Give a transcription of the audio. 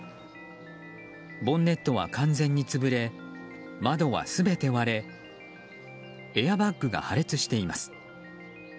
ボンネットは完全に潰れ窓は全て割れエアバッグが破裂しています。